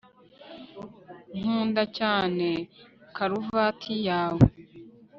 nkunda cyane karuvati yawe